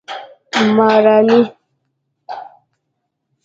مراڼی